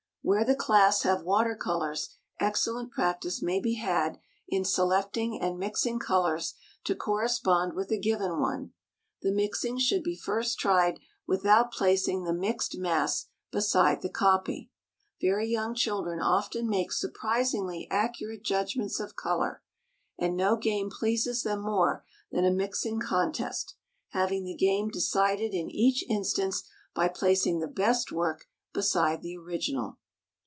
Where the class have water colors excellent practice may be had in selecting and mixing colors to correspond with a given one. The mixing should be first tried without placing the mixed mass beside the copy. Very young children often make surprisingly accurate judgments of color, and no game pleases them more than a mixing contest, having the game decided in each instance by placing the best work beside the original.